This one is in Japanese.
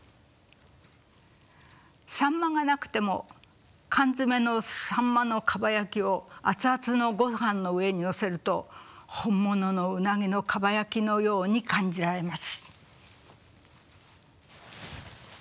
秋刀魚がなくても缶詰の秋刀魚のかば焼きをあつあつのごはんの上にのせると本物のうなぎのかば焼きのように感じられます。